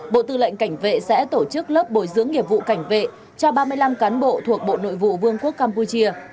bộ tư lệnh cảnh vệ sẽ tổ chức lớp bồi dưỡng nghiệp vụ cảnh vệ cho ba mươi năm cán bộ thuộc bộ nội vụ vương quốc campuchia